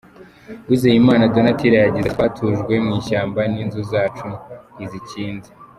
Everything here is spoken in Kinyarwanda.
Uwizeyimana Donatilla yagize ati “Twatujwe mu ishyamba n’inzu zacu ntizikinze.